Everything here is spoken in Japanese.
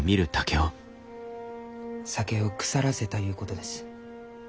酒を腐らせたゆうことです。